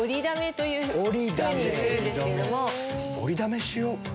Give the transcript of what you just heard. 折りだめしよう。